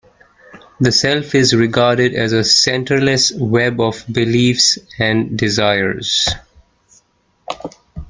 The self is regarded as a "centerless web of beliefs and desires".